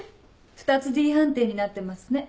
２つＤ判定になってますね。